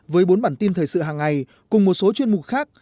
với bốn bản tin thời sự hàng ngày cùng một số chuyên mục khác